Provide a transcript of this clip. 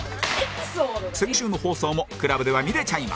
先週の放送も ＣＬＵＢ では見れちゃいます